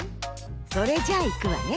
それじゃいくわね。